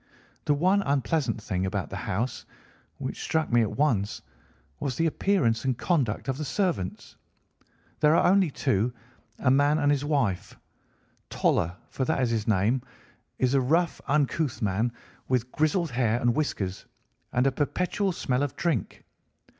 The one unpleasant thing about the house, which struck me at once, was the appearance and conduct of the servants. There are only two, a man and his wife. Toller, for that is his name, is a rough, uncouth man, with grizzled hair and whiskers, and a perpetual smell of drink.